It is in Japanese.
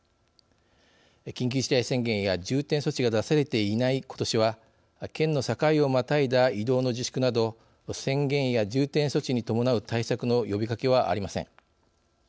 緊急事態宣言や重点措置が出されていないことしは県の境をまたいだ移動の自粛など宣言や重点措置に伴う対策の呼びかけはありません。